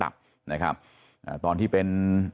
โรคมะวิงตับตอนที่เป็น